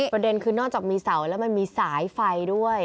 ประเด็นคือนอกจากมีเสาแล้วมันมีสายไฟด้วย